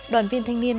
đoàn viên thanh niên